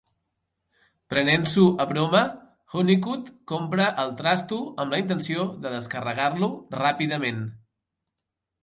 Prenent-s'ho a broma, Hunnicut compra el trasto amb la intenció de descarregar-lo ràpidament.